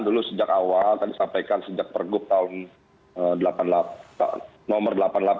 dulu sejak awal tadi sampaikan sejak pergub tahun nomor delapan puluh delapan dua ribu sembilan belas